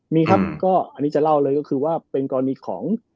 มีครับก็อันนี้จะเล่าเลยก็คือว่าเป็นกรณีของ